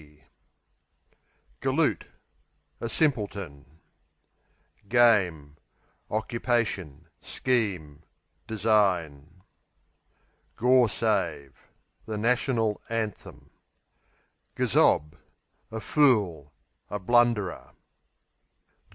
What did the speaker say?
Galoot A simpleton. Game Occupation; scheme; design. Gawsave The National Anthem. Gazob A fool; a blunderer.